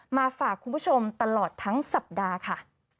มาฝากคุณผู้ชมตลอดทั้งสัปดาห์ค่ะ